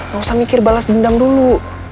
gak usah mikir balas dendam dulu